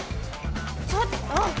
ちょっと！